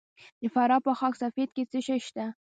د فراه په خاک سفید کې څه شی شته؟